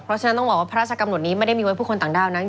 เพราะฉะนั้นต้องบอกว่าพระราชกำหนดนี้ไม่ได้มีไว้ผู้คนต่างด้าวนั้น